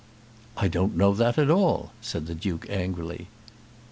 "I don't know that at all," said the Duke angrily.